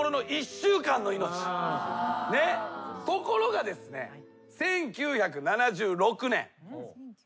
ところがですね１９７６年。